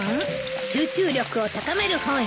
『集中力を高める本』よ。